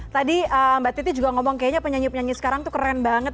tadi mbak titi juga ngomong kayaknya penyanyi penyanyi sekarang tuh keren banget